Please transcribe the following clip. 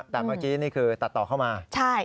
แต่เมื่อกี้นี่คือตัดต่อเข้ามา